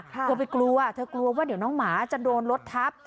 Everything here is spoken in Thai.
เธอไปกลัวเธอกลัวว่าเดี๋ยวน้องหมาจะโดนรถทับ